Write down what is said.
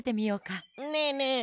ねえねえ。